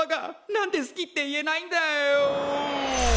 何で好きって言えないんだよ。